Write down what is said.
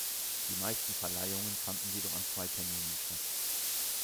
Die meisten Verleihungen fanden jedoch an zwei Terminen statt.